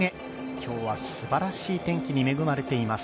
今日はすばらしい天気に恵まれています。